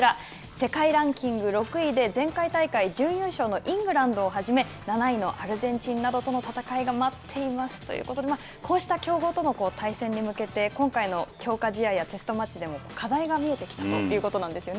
世界ランキング６位で、前回大会準優勝のイングランドをはじめ、７位のアルゼンチンなどとの戦いが待っていますということで、こうした強豪との対戦に向けて、今回の強化試合やテストマッチでも課題が見えてきたということなんですよね。